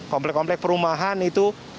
komplek komplek perumahan itu